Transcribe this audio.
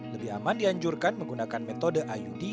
lebih aman dianjurkan menggunakan metode iud